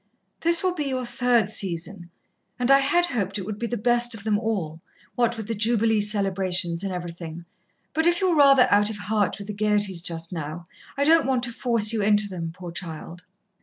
"This will be your third season, and I had hoped it would be the best of them all, what with the Jubilee celebrations and everything but if you're rather out of heart with the gaieties just now, I don't want to force you into them, poor child."